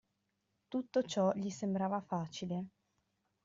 Tutto ciò gli sembrava facile.